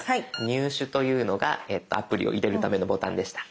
「入手」というのがアプリを入れるためのボタンでした。